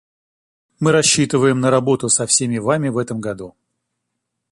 Мы рассчитываем на работу со всеми вами в этом году.